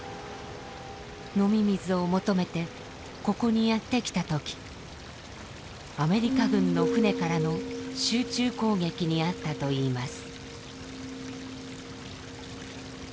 飲み水を求めてここにやって来たときアメリカ軍の船からの集中攻撃に遭ったといいます。